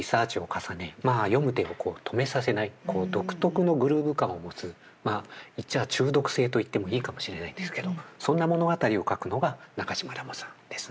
まあ読む手を止めさせない独特のグルーブ感を持つまあ言っちゃあ中毒性と言ってもいいかもしれないんですけどそんな物語を書くのが中島らもさんですね。